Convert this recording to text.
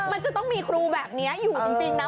มันจะต้องมีครูแบบนี้อยู่จริงนะ